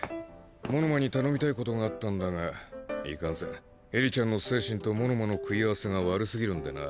物間に頼みたいことがあったんだが如何せんエリちゃんの精神と物間の食い合わせが悪すぎるんでな。